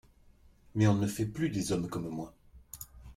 Mais on ne fait plus des hommes comme moi.